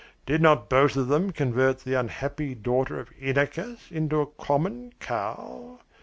Did not both of them convert the unhappy daughter of Inachos into a common cow?